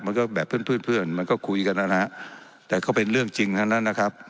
มันก็แบบเพื่อนเพื่อนมันก็คุยกันนะฮะแต่ก็เป็นเรื่องจริงทั้งนั้นนะครับ